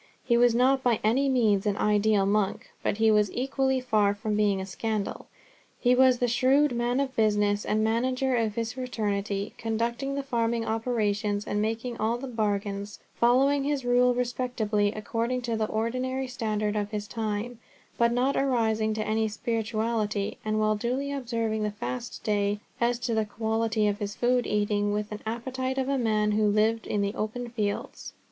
He was not by any means an ideal monk, but he was equally far from being a scandal. He was the shrewd man of business and manager of his fraternity, conducting the farming operations and making all the bargains, following his rule respectably according to the ordinary standard of his time, but not rising to any spirituality, and while duly observing the fast day, as to the quality of his food, eating with the appetite of a man who lived in the open fields.